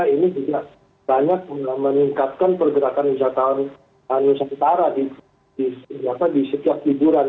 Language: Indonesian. ini juga banyak meningkatkan pergerakan wisata wisata setara di setiap liburan